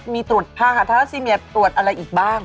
มีตรวจภาคธรรษีเมียตรวจอะไรอีกบ้าง